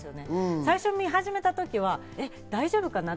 最初、見始めた時は大丈夫かなって。